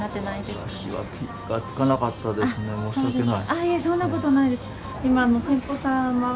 あいえそんなことないです。